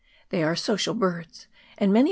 They are social birds, and many of their